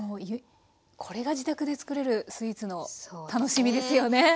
これが自宅で作れるスイーツの楽しみですよね。